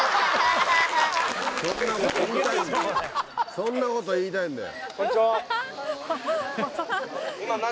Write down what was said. そんなこと言いたいんだよ。